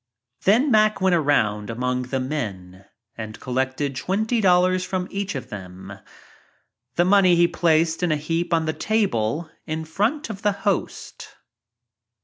Then Mack went around among the men and collected twenty dollars from each of them. This money he placed in a heap on the table in front of the host.